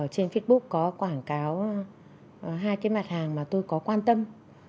trên facebook có quảng cáo hai cái mặt hàng mà tôi có quan tâm